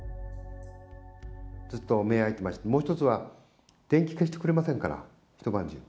ずっと目開いてまして、もう一つは、電気消してくれませんから、一晩中。